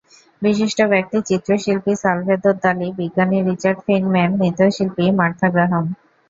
বিশিষ্ট ব্যক্তিত্ব—চিত্রশিল্পী Salvador Dali, বিজ্ঞানী Richard Feynman, নৃত্যশিল্পী মার্থা গ্রাহাম।